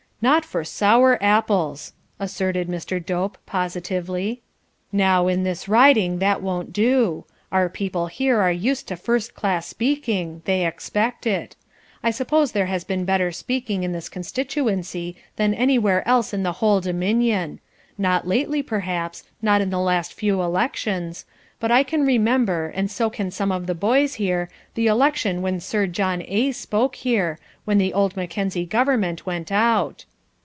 "Not for sour apples!" asserted Mr. Dope positively. "Now, in this riding that won't do. Our people here are used to first class speaking, they expect it. I suppose there has been better speaking in this Constituency than anywhere else in the whole dominion. Not lately, perhaps; not in the last few elections. But I can remember, and so can some of the boys here, the election when Sir John A. spoke here, when the old Mackenzie government went out."